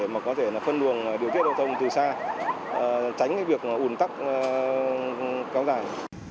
mà có thể phân đường điều kết đoàn thông từ xa tránh việc ủn tắc cao dài